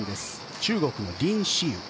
中国のリン・シユ。